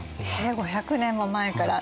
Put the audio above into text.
５００年も前からね。